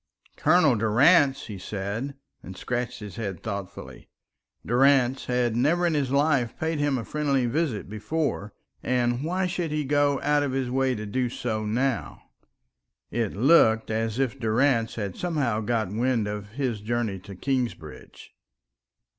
"Colonel Durrance!" he said, and scratched his head thoughtfully. Durrance had never in his life paid him a friendly visit before, and why should he go out of his way to do so now? It looked as if Durrance had somehow got wind of his journey to Kingsbridge.